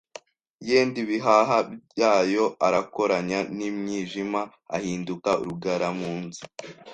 Yenda ibihaha byayo arakoranya n’imyijima Ahinduka rugara mu nzu